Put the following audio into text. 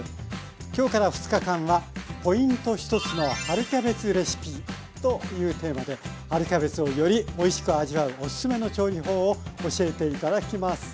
今日から２日間はというテーマで春キャベツをよりおいしく味わうおすすめの調理法を教えて頂きます。